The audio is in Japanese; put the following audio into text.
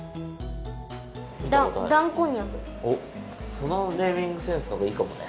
そのネーミングセンスのがいいかもね。